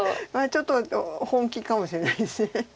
ちょっと本気かもしれないです。